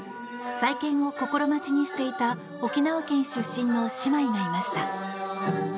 再建を心待ちにしていた沖縄県出身の姉妹がいました。